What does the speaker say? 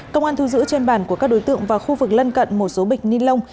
công an thu giữ trên bàn của các đối tượng và khu vực lân cận một số bịch ni lông